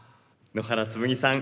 野原つむぎさん